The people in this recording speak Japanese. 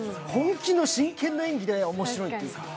本気の真剣の演技で面白い。